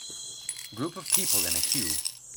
Group of people in a queue.